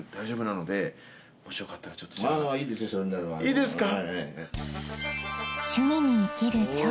いいですか？